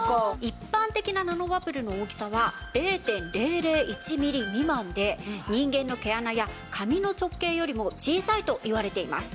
一般的なナノバブルの大きさは０．００１ミリ未満で人間の毛穴や髪の直径よりも小さいと言われています。